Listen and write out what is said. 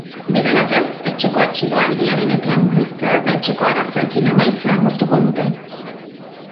Bide batez, etxeko atxiloaldiaren epea murriztea eta etxeko arazoekin amaitzea lortuko dute.